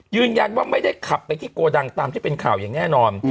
ยืนยันว่าไม่ได้ขับไปที่โกดังตามที่เป็นข่าวอย่างแน่นอน